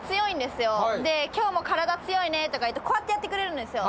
で今日も体強いねとかいってこうやってやってくれるんですよ。